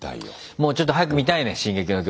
もうちょっと早く見たいね「進撃の巨人」。